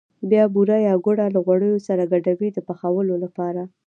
بیا بوره یا ګوړه له غوړیو سره ګډوي د پخولو لپاره.